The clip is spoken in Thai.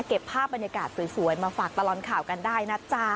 เก็บภาพบรรยากาศสวยมาฝากตลอดข่าวกันได้นะจ๊ะ